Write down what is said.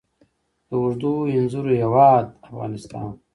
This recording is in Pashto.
د اوږدو انځرو هیواد افغانستان.